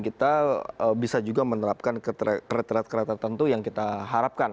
kita bisa juga menerapkan kriteria kriteria tertentu yang kita harapkan